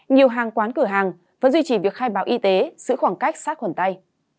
nhiều hàng quán cửa hàng vẫn duy trì việc khai báo y tế giữ khoảng cách sát khuẩn tay